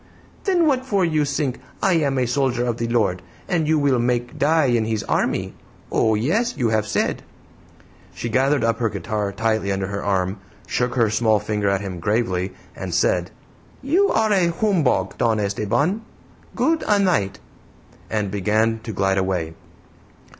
"Then what for you sink 'I am a soldier of the Lord,' and you will make die 'in His army'? Oh, yes; you have said." She gathered up her guitar tightly under her arm, shook her small finger at him gravely, and said, "You are a hoombog, Don Esteban; good a' night," and began to glide away.